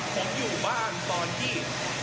ผมอยู่บ้านตอนที่